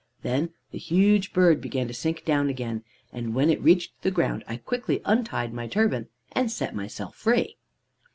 Then the huge bird began to sink down again, and when it reached the ground I quickly untied my turban, and set myself free.